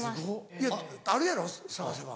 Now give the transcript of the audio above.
いやあるやろ探せば。